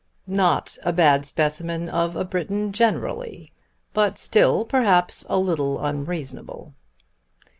"Not a bad specimen of a Briton generally; but still, perhaps, a little unreasonable."